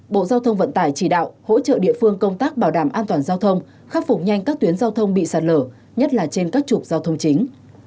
bộ giao thông vận tải chỉ đạo hỗ trợ địa phương công tác bảo đảm an toàn giao thông khắc phục nhanh các tuyến giao thông bị sạt lở nhất là trên các trục giao thông chính